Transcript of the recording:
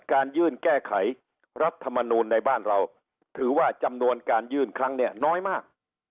การยื่นแก้ไขรัฐมนูลในบ้านเราถือว่าจำนวนการยื่นครั้งเนี่ยน้อยมาก